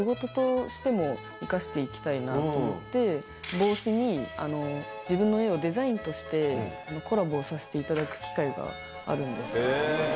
帽子に自分の絵をデザインとしてコラボさせていただく機会があるんです。